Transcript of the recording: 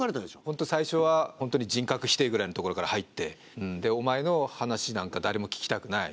本当最初は本当に人格否定ぐらいのところから入って「お前の話なんか誰も聞きたくない。